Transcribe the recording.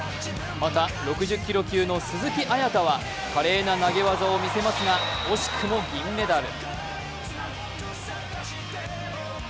また、６０キロ級の鈴木絢大は華麗な投げ技をみせますが惜しくも銀メダル。